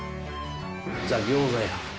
ザ餃子や。